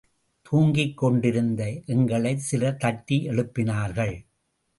துங்கிக் கொண்டிருந்த எங்களை சிலர் தட்டி எழுப்பினார்கள்.